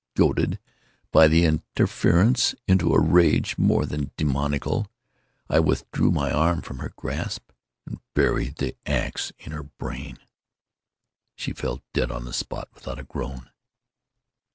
Goaded, by the interference, into a rage more than demoniacal, I withdrew my arm from her grasp and buried the axe in her brain. She fell dead upon the spot, without a groan.